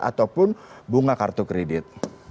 ataupun bunga kartu kredit